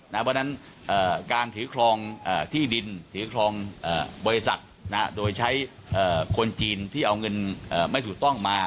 เพราะฉะนั้นการถือครองที่ดินถือครองบริษัทโดยใช้คนจีนที่เอาเงินไม่ถูกต้องมา